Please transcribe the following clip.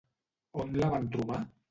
On la van trobar?